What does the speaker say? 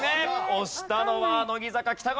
押したのは乃木坂北川さん。